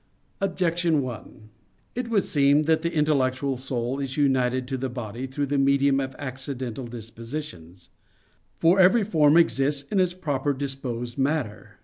Objection 1: It would seem that the intellectual soul is united to the body through the medium of accidental dispositions. For every form exists in its proper disposed matter.